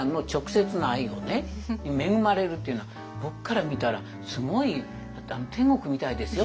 恵まれるというのは僕から見たらすごい天国みたいですよ。